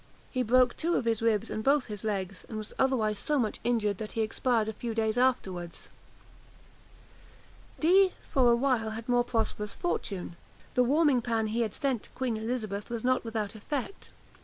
He broke two of his ribs and both his legs; and was otherwise so much injured, that he expired a few days afterwards. Dee, for a while, had more prosperous fortune. The warming pan he had sent to Queen Elizabeth was not without effect.